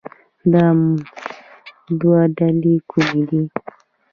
دا دوه ډلې کومې دي